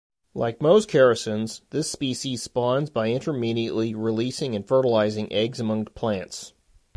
Like most characins, this species spawns by intermittently releasing and fertilizing eggs among plants.